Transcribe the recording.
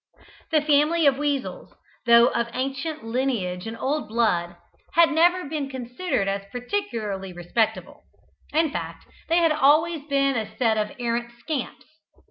The family of weasels, though of ancient lineage and old blood, had never been considered as particularly respectable. In fact they had always been a set of arrant scamps.